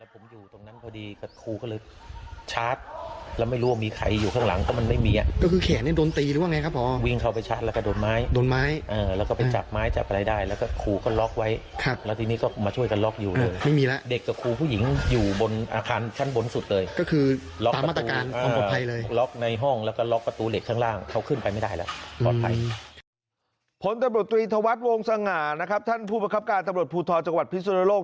ผลตำรวจตรีธวัฒน์วงสง่านะครับท่านผู้ประคับการตำรวจภูทรจังหวัดพิสุนโลก